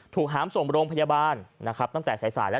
ถูกหามส่งบริษัทโรงพยาบาลตั้งแต่สายแล้ว